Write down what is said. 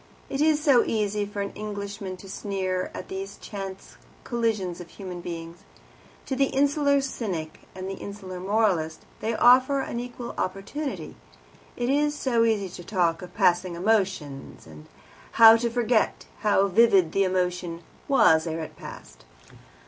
It is so easy for an Englishman to sneer at these chance collisions of human beings. To the insular cynic and the insular moralist they offer an equal opportunity. It is so easy to talk of "passing emotion," and how to forget how vivid the emotion was ere it passed.